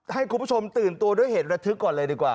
ให้คุณผู้ชมตื่นตัวด้วยเหตุระทึกก่อนเลยดีกว่า